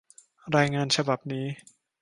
รายงานฉบับนี้